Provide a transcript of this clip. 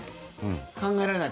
考えられない？